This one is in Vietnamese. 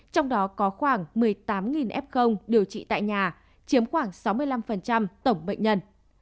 trong đó có khoảng một mươi tám f điều trị tại nhà chiếm khoảng sáu mươi năm tổng bệnh nhân